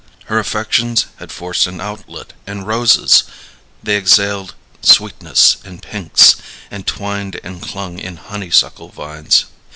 Her affections had forced an outlet in roses; they exhaled sweetness in pinks, and twined and clung in honeysuckle vines.